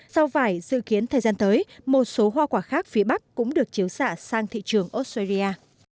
rau vải dự kiến thời gian tới một số hoa quả khác phía bắc cũng được chiếu xạ sang thị trường australia